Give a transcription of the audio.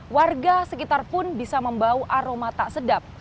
warga sekitar pun bisa membawa aroma tak sedap